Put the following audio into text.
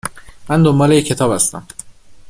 من دنبال یه کتاب هستم